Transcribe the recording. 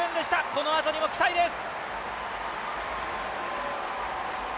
このあとにも期待です。